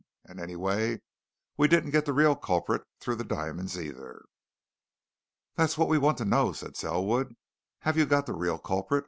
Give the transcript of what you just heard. And, anyway, we didn't get the real culprit through the diamonds, either!" "That's what we want to know," said Selwood. "Have you got the real culprit?